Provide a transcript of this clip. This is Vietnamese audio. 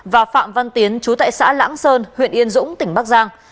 và phạm văn tiến chú tại xã lãng sơn huyện yên dũng tỉnh bắc giang